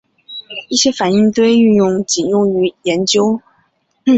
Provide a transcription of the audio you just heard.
一些反应堆运行仅用于研究。